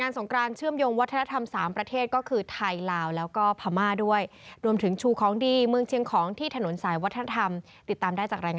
ทางกระทรวงวัฒนธรรม